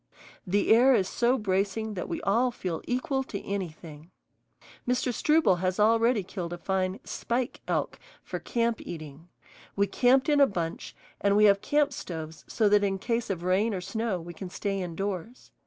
The air is so bracing that we all feel equal to anything. Mr. Struble has already killed a fine "spike" elk for camp eating. We camped in a bunch, and we have camp stoves so that in case of rain or snow we can stay indoors.